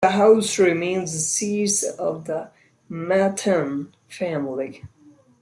The house remains the seat of the Methuen family.